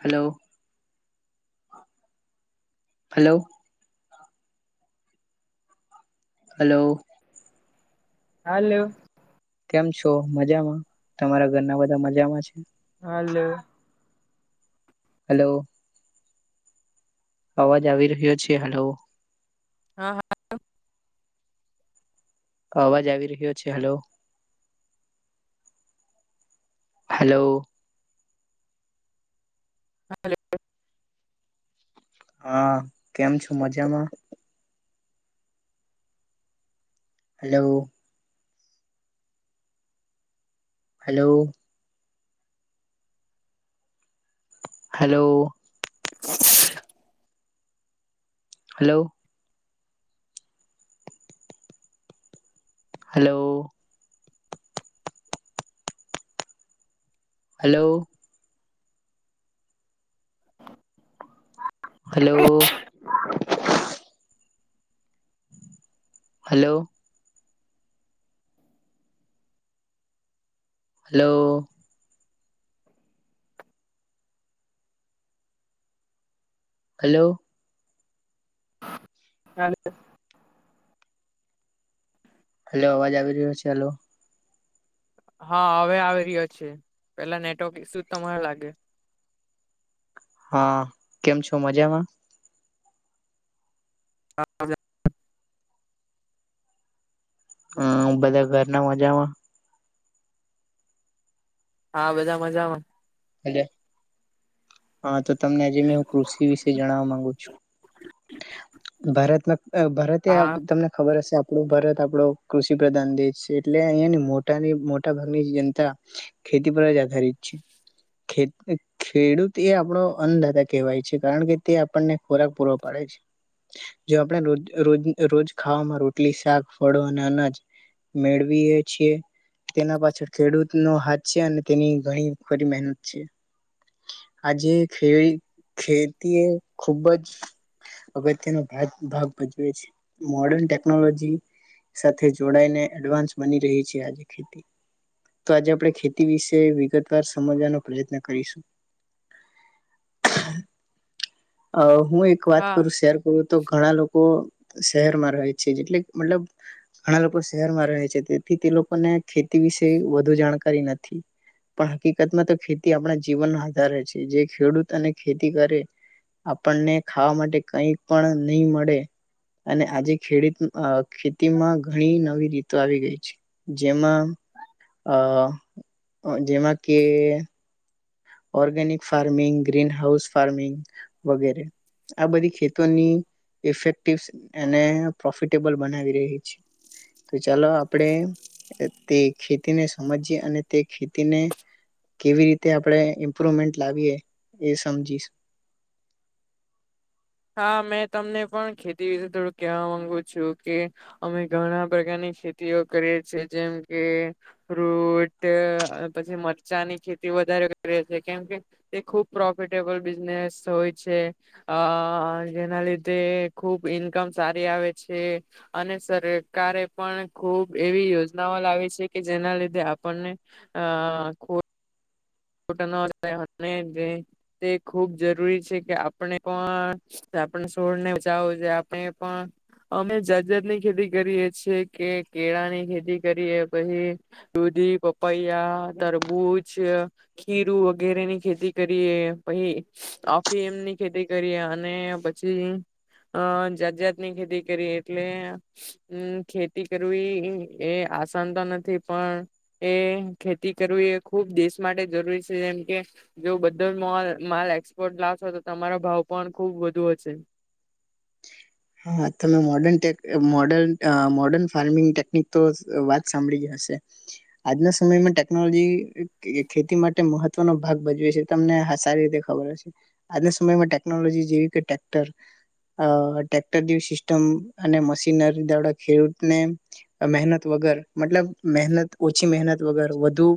Hello hello. Hello. Hello. કેમ છો મજામાં? તમારા ઘરના બધા મજામાં છે? હાલો. હેલો. અવાજ આવી રહ્યો છે હલો. હા હા. અવાજ આવી રહ્યો છે હેલો. હલો. હ [unintelligible] હા કેમ છો મજામાં? Hello. Hello. Hello. Hello. Hello. Hello. Hello. Hello. Hello. Hello. હ હલો અવાજ આવી રહ્યો છે હલો. હા હવે આવી રહ્યો છે પેલા નેટવર્ક શું તને લાગે. હા કેમ છો મજામાં? હા. હમ બધા ઘરના મજામાં? હા બધા મજામાં. હ હા તો. તમને હું કૃષિ વિશે જણવા માંગુ છું ભારતમાં. ભારતે હા તમને ખબર હશે. આપણો ભારત આપણો કૃષિ પ્રધાન દેશ છે એટલે અહિયાની મોટાની મોટા ભાગની જનતા ખેતી પર જ આધારિત છે. ખેડૂત એ આપણો અન્નદાતા કહેવાય છે કારણ કે તે આપણને ખોરાક પૂરો પાડે છે જો આપણે રોજ ખાવામાં રોટલી શાક ફળો અને અનાજ મેળવીએ છીએ તેના પાછળ ખેડૂત નો હાથ છે અને તેની ઘણીખરી મહેનત. છે આજે ખેતી એ ખુબ જ અગત્યનો ભાગ ભજવે છે મોર્ડન ટેકનોલોજી સાથે જોડાયને એડવાન્સ બની રહી છે આજે ખેતી તો આજે આપણે ખેતી વિશે વિગતવાર સમજવાનો પ્રયત્ન કરીશું. અ હું એક વાત હા કરું શેર કરું તો ઘણા લોકો. સી શહેરમાં રહે છે જેટલે મતલબ. ઘણા લોકો શહેરમાં રહે છે તેથી તે લોકોને ખેતી વિશે વધુ જાણકારી નથી પણ હકીકતમાં તો ખેતી આપણા જીવન. વધારે છે જે ખેડૂત અને ખેતી કરે આપણને ખાવા માટે કઈ પણ નહી મળે અને આજે ખેડૂત ખેતીમાં ઘણી નવી રીતો આવી ગઈ છે જેમાં અ જેમાં કે. Organic farming. Green house farming વગેરે આ બધી ખેતોની ઇફેક્ટિવ અને પ્રોફિટેબલ બનાવી રહી છે તો ચાલો આપણેે તે ખેતીને સમજીય અને તે ખેતીને કેવી રીતે આપણે. ઇમ્પ્રુવમેન્ટ લાવીએ એ સમજીશ. હા મેં તમને પણ ખેતી વિશે થોડું કહેવા માંગુ છું કે અમે ઘણા પ્રકારની ખેતીઓ કરીએ છેી જેમ કે ફ્રૂટ પછી મરચાંની ખેતી વધારે કરીએ છી કેમ કે તે ખુબ પ્રોફિટેબલ બિઝનેસ હોય છેઅ અ જેના લીધે ખુબ ઇન્કમ સારી આવે છે અને સરકારે પણ ખૂબ એવી યોજનાઓ લાવી છે કે જેના લીધે આપણને અ ખુબ. [unintelligible] તે ખૂબ જરૂરી છે કે આપણે પણ આપણે સોળને બચાવ આપણે પણ અમે જાત જાતની ખેતી કરીએ છ છેએ કે કેળાની ખેતી કરીએ પછી દૂધી પપૈયા તરબૂચ. ખીરું વગેરે ની ખેતી કરીએ પછી ઓફીમ ની ખેતી કરીએ અને પછી અ જાત જાતની ખેતી કરીએ એટલેમ ખેતી કરવી એ આસાન તો નથી પણ એ ખેતી કરવી એ ખૂબ દેશ માટે. રૂરી છે જેમ કે જો બધો માલ એક્સપોર્ટ લાવશો તો તમારો ભાવ પણ ખુબ વધુ હશે. હા તમે મોડનટે મોર્ડન મોર્ડર્ન ફાર્મિંગ ટેકનિક તો વાત સાંભળી જ હશે. આજના સમયમાં ટેકનોલોજી ખેતી માટે મહત્વનો ભાગ ભજવે છે તમને સારી રીતે ખબર હશે, આજના સમયમાં ટેકનોલોજી જેવી કે ટેક્ટર. અ ટ્રેક્ટર સિસ્ટમ અને મશીનરી દ્વાળ ખેડૂતને મહેનત વગર મતલબ મહેનત ઓછી મહેનત વગર વધુ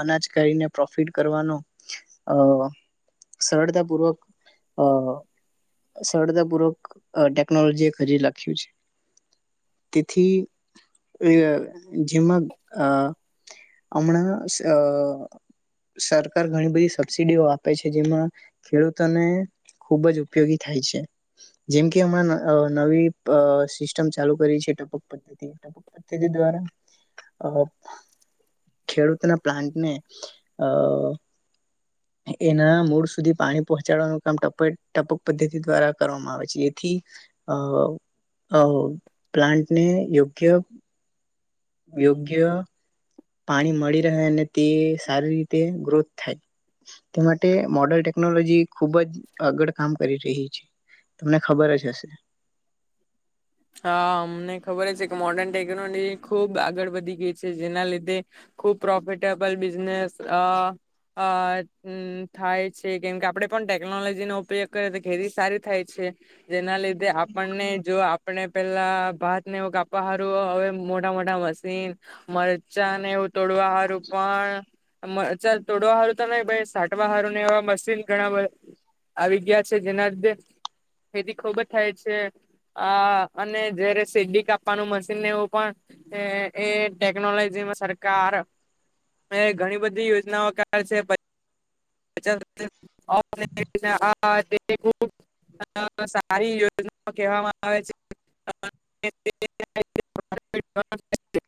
અનાજ કરીને પ્રોફિટ કરવાનો અ સરળતાપૂર્વક અ સરળતાપૂર્વક. ટેકનોલોજી હજી લખ્યું છે, તેથી જેમાં અ હમણાં સરકાર ઘણી બધી સબસીડીઓ આપે છે જેમાં ખેડૂતોને ખુબ જ ઉપયોગી થાય છે. જેમ કે હમણાં નવી સિસ્ટમ ચાલુ કરી છે ટપક પદ્ધતિ. ટપક પદ્ધતિ દ્વારા અ ખેડૂતના પ્લાન્ટને અ એના મૂળ સુધી પાણી પહોચાડવાનું કામ ટ ટપક પદ્ધતિ દ્વારા કરવામાં આવે છે. જેથી અ પ્લાન્ટને યોગ્ય. યોગ્ય. પાણી મળી અને તે સારી રી. તે ગ્રોથ થાય તે માટે મોર્ડર્ન ટેકનોલોજી. ખુબ જ આગળ કામ કરી તમને ખબર જ હશે. હા અમને ખબર છે કે મોર્ડર્ન ટેકનોલોજી ખુબ આગળ વધી ગઈ છે જેના લીધે ખુબ પ્રોફિટેબલ બિઝનેસ અ અ થાય છે, કેમ કે આપડે પણ ટેકનોલોજીનો ઉપયોગ કરીએ તો ખેતી સારી થાય છે જેના લી આપણને જો આપ પેલા ભાત ને એવું કાપવા હારું હવે મોટા મોટા મશીન મરચાં ને એવું તોડવા હારું પણ મરચા તોડવા હારું તો નઈ, સાટવા હારું ને એવા મશીન ઘણા આવી ગયા છે જેના લીધે ખેતી ખુબ થાય છે. અ અને જયારે સીડી કાપવાનું મશીનને એવું પણ એ ટેકનોલોજીમાં સરકાર ઘણી બધી યોજનાઓ કરે છે. [unintelligible] આ તે ખુબ સારી યોજનાઓ કહેવામાં આવે છે.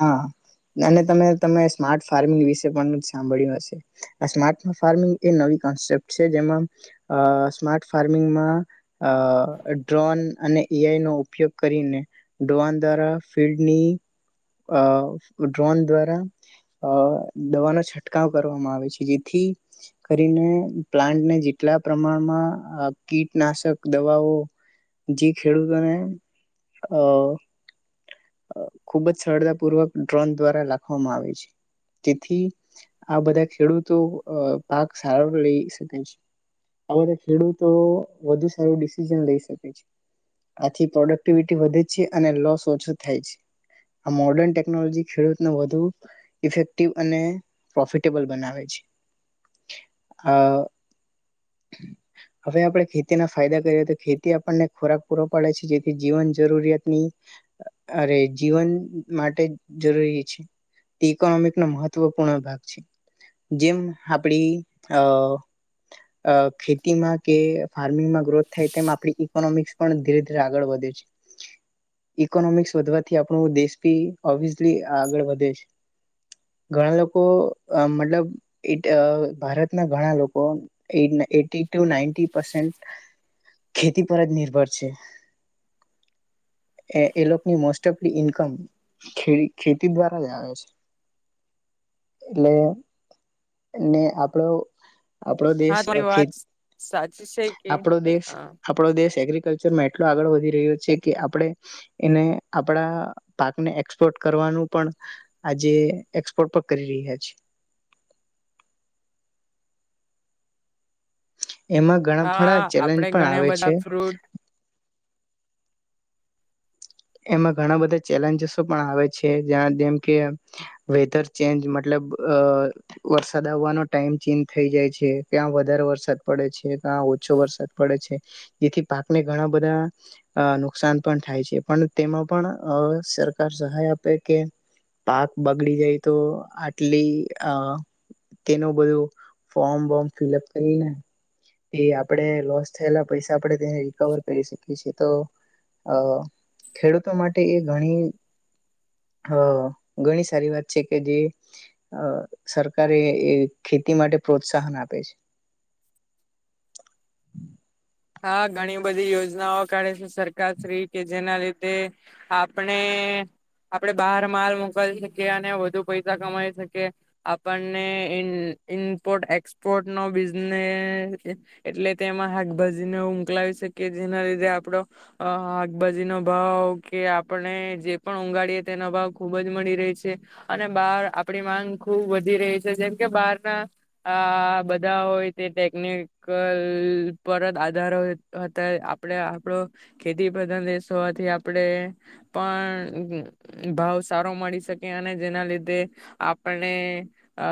હા અને તમે તમે સ્માર્ટ ફાર્મિંગ વિશે પણ સાંભળ્યું હશે આ સ્માર્ટ ફાર્મિંગ એ નવી કોન્સેપ્ટ છે, જેમાં સ્માર્ટ ફાર્મિંગમાં અ ડ્રોન અને એ આઈ નો ઉપયોગ કરીને ડ્રોન દ્વારા ફિલ્ડની. અ ડ્રોન દ્વારા અ દવાનો છંટકાવ કરવામાં આવે છે, જેથી કરીને પ્લાન્ટને જેટલા પ્રમાણમાં કીટનાશક દવાઓ જે ખેડૂતોને અ. ખુબ જ સરતા પૂર્વક ડ્રોન દ્વારા લખવામાં આવે છે, જેથી આ બધા ખેડૂતો પાક સારો લઈ શકે છે આ બધા ખેડૂતો વધુ સારું ડિસઝન લઈ શકે છે, આથી પ્રોડક્ટિવિટી વધે છે અને લોસ ઓછ આ મોડન ટેકનોલોજી ખેડૂતને વધુ ઇફેક્ટિવ અને પ્રોફિટેબલ બનાવે છે. આ હવે આપણે ખેતીના ફાયદા કરીએ તો ખેતી આપણને ખોરાક પૂરો પાડે છે જેથી જીવન જરૂરિયાતની. અરે જીવન માટે જરૂરી છે તે ઈકોનોમિક નો મહત્વપૂર્ણ ભાગ છે જેમ આપડી અ અ ખેતીમાં કે આર્મીમાં ગ્રોથ થાય તેમ આપણી ઈકોનોમિકસ પણ ધીરે ધીરે આગળ વધે છે. ઇકોનોમિક્સ વધવાથી આપણું દેશ બી ઓબ્વિયસલી આગળ વધે છે. ઘણા લોકો અ મતલબ ઈ ટ અ ભારતના ઘણા લોકો એટી ટુ નાન્ટી પરસેન્ટ ખેતી પર જ નિર્ભર છે. એ એ લોકોની મોસ્ટ ઓફ ઇન્કમ ખે ખેતી દ્વારા જ આવે છે એટલે એને આપડો આપડો હા દેશ તમારી ખેત વાત સાચી છે કે આપણો દેશ હા આપણો દેશ. એગ્રીકલ્ચરમાં એટલો આગળ વધી રહ્યો છે કે આપડણે એને આપણા પાકને એક્સપોર્ટ કરવાનું પણ આજે એક્સપોર્ટ પણ કરી રહ્યા છે. એમાં ઘણા હા ફડા આપડે ચેલેન્જ પણ ઘણા આવે છે. બધા ફ્રૂટ એમાં ઘણા બધા ચેલેન્જસો પણ આવે છે જ્યાં જેમ કે વેધર ચેન્જ મતલબ અ વરસાદ આવવાનો ટાઈમ ચેન્જ થઈ જાય છે ક્યાં વધારે વરસાદ પડે છે ક્યાં ઓછો વરસાદ પડે છે જેથી પાકને ઘણા બધા અ નુકસાન પણ થાય છે. પણ તેમાં પણ અ સરકાર સહાય આપે કે પાક બગડી જાય તો આટલી અ તેનું બધું ફોર્મ વોમ ફિલઅપ કરીને. એ આપણે લોસ થયેલા પૈસા આપણે તેને રિકવર કરી શકીએ છેએ તો અ ખેડૂતો માટે એ ઘણી અ ઘણી સારી વાત છે કે જે અ સરકારે એ ખેતી માટે પ્રોત્સાહન આપે છે. હા ઘણી બધી યોજનાઓ કાઢે છે સરકાર શ્રી કે જેના લીધે આપણે આપણે બહાર માલ મોકલી શકીએ અને વધુ પૈસા કમાઈ શકીએ આપણને ઇન ઇમ્પોર્ટ એક્સપોર્ટ નો બિઝનેસ એટલે તેમાં હાખભાજ જીનો મોકલાવી શકે જેના લીધે આપડો હ હાકભાજી નો ભાવ કે આપણે જે પણ ઊગાડીએ તેનો ભાવ ખુબ જ મળી રહી છે. અને બાર આપણી માંગ ખુબ વધી રહી છે જેમ કે બાર ના આ બધા હોય તે ટેકનિકલ પરત વધારો હતા આપણે આપડો ખેતી પ્રધાન દેશ હોવાથી આપણે પણ ભાવ સારો મળી શકે અને જેના લીધે આપને અ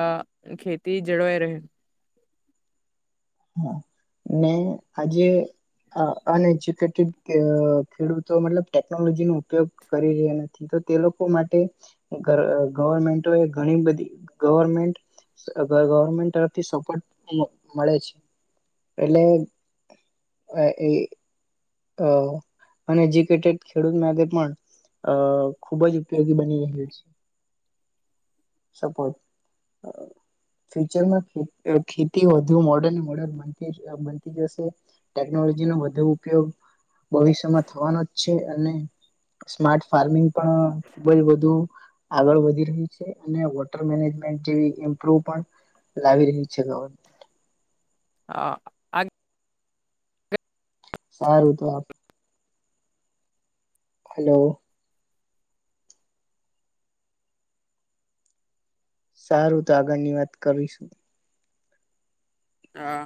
ખેતી જળવાઈ રહે. ને આજે અ અનએજ્યુકેટેડ ખેડૂતો મતલબ ટેકનોલોજી નુ ઉપયોગ કરી રહ્યા નથી તો તે લોકો માટે ગ ગવર્મેન્ટો એ ઘણી બધી ગવર્મેન્ટ ગવર્મેન્ટ તરફથી સપોર્ટ મળે છે. એટલે અ એ. અ અનએજ્યુકેટેડ ખેડૂત માટે પણ અ ખુબ જ ઉપયોગી બની રહ્યો છે સપોટ ફ્યુચરમાં ખેતી વધુ મોડન મોડન બ બનતી જશે ટેકનોલોજીનો વધુ ઉપયોગ ભવિષ્યમાં થવાનો જ છે અને સ્માર્ટ ફાર્મિંગ પણ ખુબ જ બધું આગળ વધી રહી છે અને વોટર મેનેજમેન્ટ જેવી એ પૂરૂં પણ લાવી ર્યું છે ગવ હા આ સારું તો આપ. હલો. સારું તો આગળની વાત કરીશું. આ.